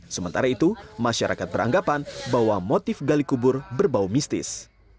sementara itu masyarakat beranggapan bahwa motif gali kubur berbau mistis